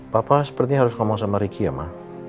papa sepertinya harus ngomong sama ricky ya ma